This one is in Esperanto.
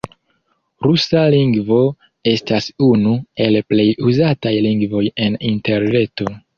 Rusa lingvo estas unu el plej uzataj lingvoj en interreto.